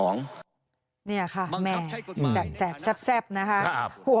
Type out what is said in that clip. เนี่ยค่ะแม่แซ่บนะฮะ